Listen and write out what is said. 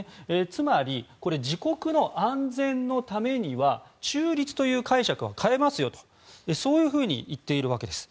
つまり、自国の安全のためには中立という解釈は変えますよと言っているわけです。